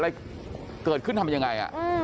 อะไรเกิดขึ้นทำยังไง